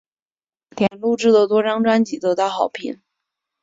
莲录制的多张专辑得到好评。